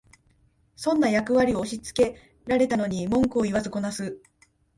損な役割を押しつけられたのに文句言わずこなす